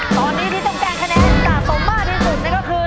ตอนนี้ที่ต้องแกล้งคะแนนสะสมมากที่สุดก็คือ